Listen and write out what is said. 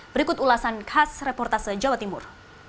berikut ulasan khas reportase jawa timur